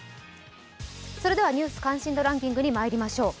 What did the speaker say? ニュース関心度ランキングにまいりましょう。